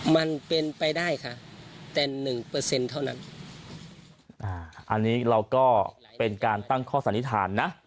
มันเป็นไปได้ค่ะแต่หนึ่งเปอร์เซ็นต์เท่านั้นอ่าอันนี้เราก็เป็นการตั้งข้อสันนิษฐานนะ